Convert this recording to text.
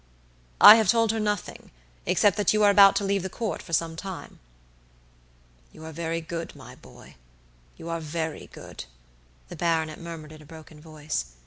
"I have told her nothing, except that you are about to leave the Court for some time." "You are very good, my boy, you are very good," the baronet murmured in a broken voice.